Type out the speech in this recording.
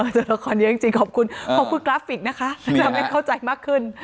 จริงขอบคุณกราฟิกนะคะทำให้เข้าใจมากขึ้น